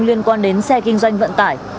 liên quan đến xe kinh doanh vận tải